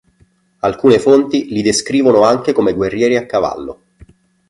Alcune fonti li descrivono anche come guerrieri a cavallo.